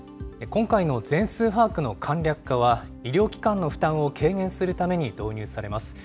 今回の全数把握の簡略化は、医療機関の負担を軽減するために導入されます。